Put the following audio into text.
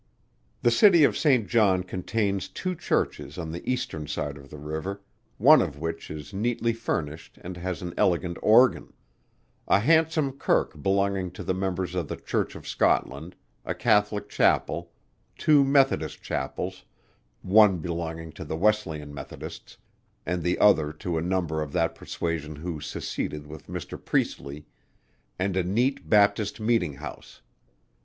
The city of St. John contains two Churches on the eastern side of the river, one of which is neatly finished and has an elegant organ; A handsome Kirk belonging to the members of the Church of Scotland; a Catholic Chapel; two Methodist Chapels, one belonging to the Wesleyan Methodists, and the other to a number of that persuasion who seceded with Mr. Priestley, and a neat Baptist Meeting House.